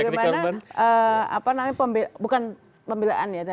bagaimana apa namanya bukan pemilaan ya